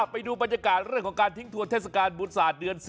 ไปดูบรรยากาศของการทิ้งทัวร์เทศกาลบูษาเดือน๑๐